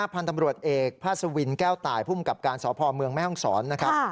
พันธุ์ตำรวจเอกภาษาวินแก้วตายผู้มูลกรรมการสภเมืองแม่ห้องศร